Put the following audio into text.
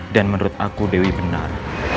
dan menurut aku dewi benar